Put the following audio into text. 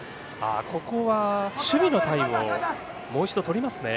ここは、守備のタイムをもう一度取りますね。